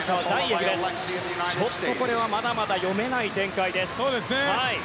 ちょっとまだまだ読めない展開です。